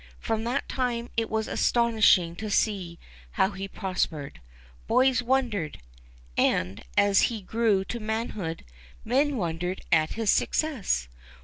From that time it was astonishing to see how he prospered. Boys wondered 3 and, as he grew to manhood, men wondered at his success.